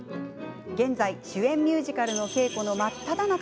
現在、主演ミュージカルの稽古の真っただ中。